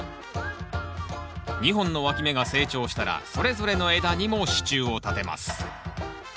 ２本のわき芽が成長したらそれぞれの枝にも支柱を立てます。